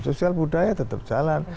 sosial budaya tetap jalan